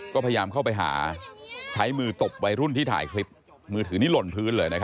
ก็พยายามเข้าไปหาใช้มือตบวัยรุ่นที่ถ่ายคลิป